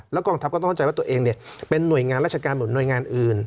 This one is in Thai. กองทัพก็ต้องเข้าใจว่าตัวเองเป็นหน่วยงานราชการหรือหน่วยงานอื่น